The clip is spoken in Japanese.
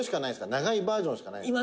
「長いバージョンしかないんですか？」